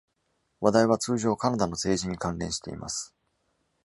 話題は、通常カナダの政治に関連しています。